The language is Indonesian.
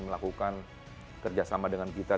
melakukan kerjasama dengan kita